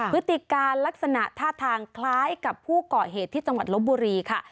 พฤติการลักษณะท่าทางคล้ายกับผู้ก่อเหตุที่จังหวัดลบบุรีค่ะ